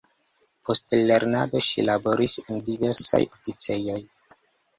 Post lernado ŝi laboris en diversaj oficejoj.